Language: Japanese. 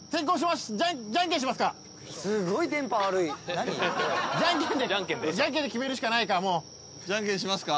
いやじゃんけんでじゃんけんで決めるしかないかもうじゃんけんしますか？